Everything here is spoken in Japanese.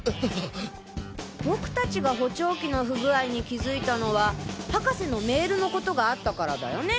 僕たちが補聴器の不具合に気づいたのは博士のメールのことがあったからだよね？